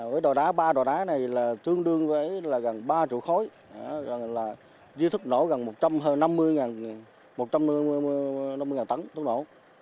với đòi đá ba đòi đá này là tương đương với gần ba trụ khối gần là di thức nổ gần một trăm năm mươi tấn tốc nổ